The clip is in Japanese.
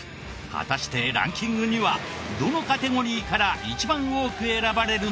果たしてランキングにはどのカテゴリーから一番多く選ばれるのか？